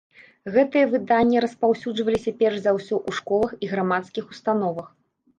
Гэтыя выданні распаўсюджваліся перш за ўсё ў школах і грамадскіх установах.